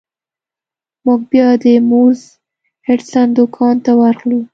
موږ بیا د مورس هډسن دکان ته ورغلو.